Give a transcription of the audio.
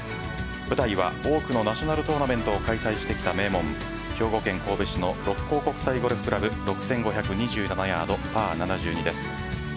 舞台は多くのナショナルトーナメントを開催してきた名門兵庫県神戸市の六甲国際ゴルフ倶楽部６５２７ヤード、パー７２です。